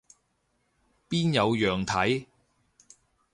邊有樣睇